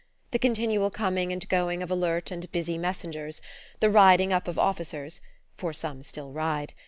The continual coming and going of alert and busy messengers, the riding up of officers (for some still ride!)